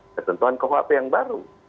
ketentuan kuhp yang baru